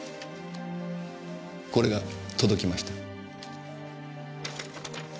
これが届きました。